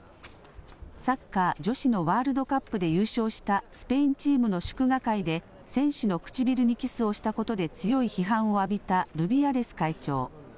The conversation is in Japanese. サッカー女子のワールドカップで優勝したスペインチームの祝賀会で、選手の唇にキスをしたことで強い批判を浴びたルビアレス会長。